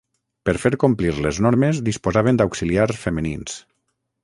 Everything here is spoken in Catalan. Per fer complir les normes disposaven d'auxiliars femenins.